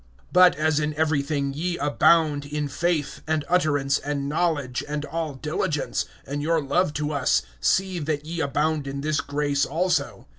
(7)But, as in everything ye abound, in faith, and utterance, and knowledge, and all diligence, and your love to us, see that ye abound in this grace also.